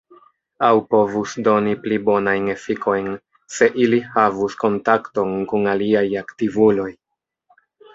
Aŭ povus doni pli bonajn efikojn, se ili havus kontakton kun aliaj aktivuloj.